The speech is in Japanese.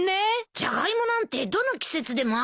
ジャガイモなんてどの季節でもあるじゃないか。